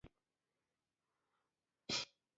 غربي مفکر فوکو یاما د تاریخ د پای اعلان وکړ.